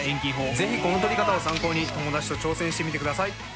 是非この撮り方を参考に友達と挑戦してみて下さい！